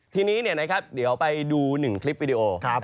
ทีนี้เดี๋ยวไปดู๑คลิปวิดีโอ